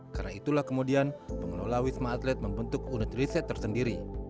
karena itulah kemudian pengelola wisma atlet membentuk unit riset tersendiri